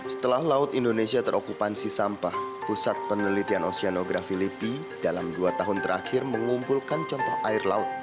setelah laut indonesia terokupansi sampah pusat penelitian oseanografi lipi dalam dua tahun terakhir mengumpulkan contoh air laut